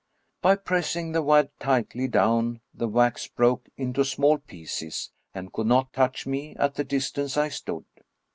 By pressing the wad tightly down, the wax broke into small pieces, and could not touch me at the dis tance I stood.